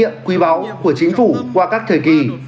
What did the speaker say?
kinh nghiệm quý báu của chính phủ qua các thời kỳ